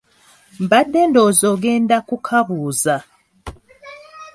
Mbadde ndowooza nti ogenda kukabuza.